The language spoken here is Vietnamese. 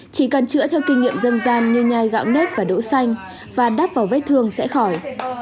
chỉ cần chữa theo kinh nghiệm dân gian như nhai gạo nếp và đỗ xanh và đắp vào vết thương sẽ khỏi